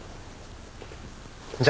じゃ。